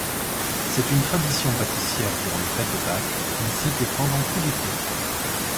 C'est une tradition pâtissière durant les fêtes de Pâques, ainsi que pendant tout l'été.